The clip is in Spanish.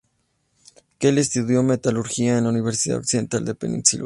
Kelly estudió metalurgia en la Universidad Occidental de Pensilvania.